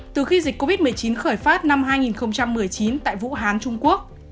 từ khi dịch covid một mươi chín khởi phát năm hai nghìn một mươi chín tại vũ hán trung quốc